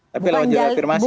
tapi lewat jalur afirmasi